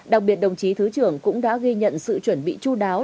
đặc biệt đồng chí thứ trưởng cũng đã ghi nhận sự chuẩn bị chú đáo